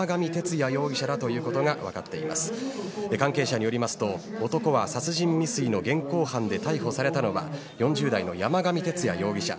関係者によりますと男が殺人未遂の現行犯で逮捕されたのは４０代の山上徹也容疑者。